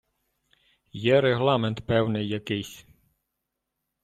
Є регламент певний якийсь.